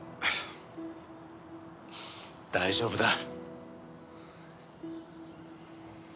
大丈夫だ。